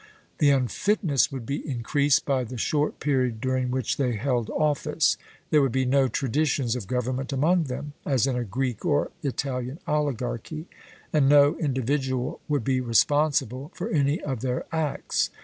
The unfitness would be increased by the short period during which they held office. There would be no traditions of government among them, as in a Greek or Italian oligarchy, and no individual would be responsible for any of their acts.